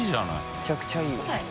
めちゃくちゃいい。